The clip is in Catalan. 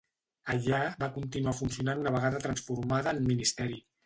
Allà va continuar funcionant una vegada transformada en Ministeri.